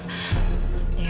oh begitu ya pak